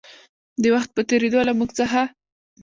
د وخـت پـه تېـرېدو لـه مـوږ څـخـه